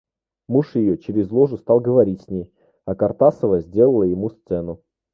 Муж ее через ложу стал говорить с ней, а Картасова сделала ему сцену.